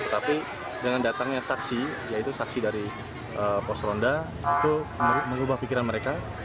tetapi dengan datangnya saksi yaitu saksi dari pos ronda itu mengubah pikiran mereka